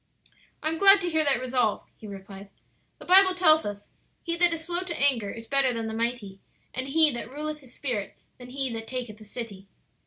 "I am glad to hear that resolve," he replied. "The Bible tells us, 'He that is slow to anger is better than the mighty; and he that ruleth his spirit than he that taketh a city.'"